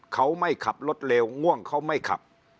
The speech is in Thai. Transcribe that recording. เขาไม่ขับรถเร็วง่วงเขาไม่ขับ